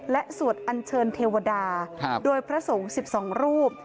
และสวดอัญเชิญเทวดาโดยพระสงฆ์๑๒รูป